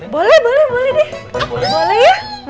boleh boleh boleh deh